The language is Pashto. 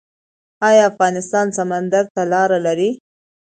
آیا افغانستان سمندر ته لاره لري؟